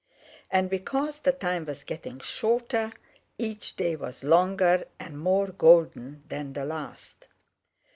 And because the time was getting shorter, each day was longer and more golden than the last.